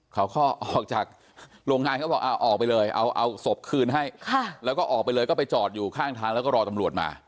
เขาก็ออกจากโรงงานเขาบอกเอาออกไปเลยเอาศพคืนให้แล้วก็ออกไปเลยก็ไปจอดอยู่ข้างทางแล้วก็รอตำรวจมา